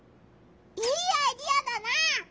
いいアイデアだな！